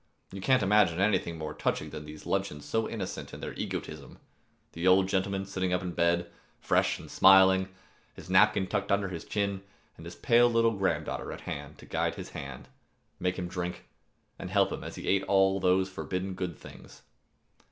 You can't imagine anything more touching than these luncheons so innocent in their egotism the old gentleman sitting up in bed, fresh and smiling, his napkin tucked under his chin, and his pale little granddaughter at hand to guide his hand, make him drink, and help him as he ate all these forbidden good things.